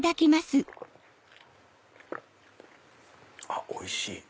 あっおいしい！